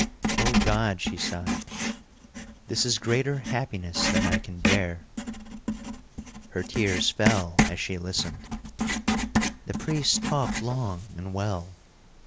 "O God!" she sighed, "this is greater happiness than I can bear." Her tears fell as she listened. The priest talked long and well.